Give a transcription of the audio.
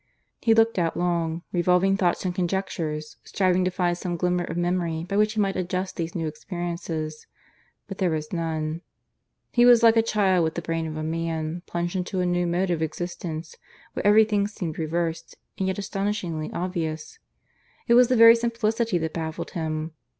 He looked out long, revolving thoughts and conjectures, striving to find some glimmer of memory by which he might adjust these new experiences; but there was none. He was like a child, with the brain of a man, plunged into a new mode of existence, where everything seemed reversed, and yet astonishingly obvious; it was the very simplicity that baffled him.